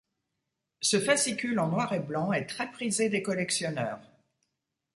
Ce fascicule en noir et blanc est très prisé des collectionneurs.